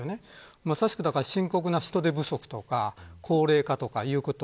まさしく深刻な人手不足とか高齢化ということ。